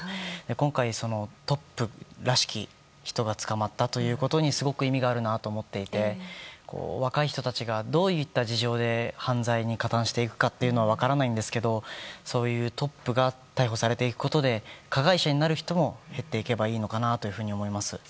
今回、そのトップらしき人が捕まったということにすごく意味があるなと思っていて若い人たちがどういった事情で犯罪に加担していくかというのは分からないんですけどそういうトップが逮捕されていくことで加害者になる人も減っていけばいいのかなというふう思います。